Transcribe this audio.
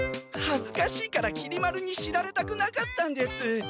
はずかしいからきり丸に知られたくなかったんです。